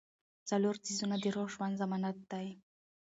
څلور څيزونه د روغ ژوند ضمانت دي -